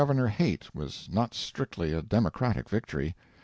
Haight was not strictly a Democratic victory.